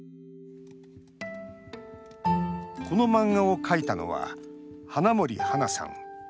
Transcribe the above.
この漫画を描いたのは花森はなさん。